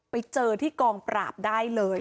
ไปเจอที่กองปราบได้เลย